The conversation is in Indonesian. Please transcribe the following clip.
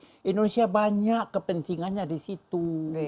karena indonesia banyak kepentingannya di situ